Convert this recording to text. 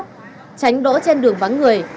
tránh đỗ trên đường vắng người